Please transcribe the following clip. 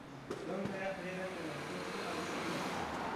زموږ بیرغ درې رنګه لري، تور، سور او شین رنګ.